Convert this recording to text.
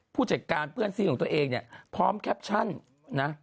ผู้จัดการเพื่อนซีลของตัวเองพร้อมแคปชั่น